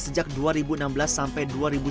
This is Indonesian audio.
sejak dua ribu enam belas sampai dua ribu sembilan belas